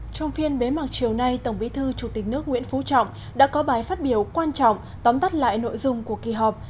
trong phiên bế mạc chiều nay tổng bí thư chủ tịch nước nguyễn phú trọng đã có bài phát biểu quan trọng tóm tắt lại nội dung của kỳ họp